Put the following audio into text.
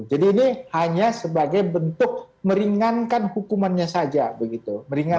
jadi ini hanya sebagai bentuk meringankan hukumannya saja begitu